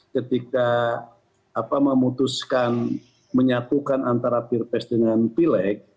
ketika memutuskan menyatukan antara pilpres dengan pileg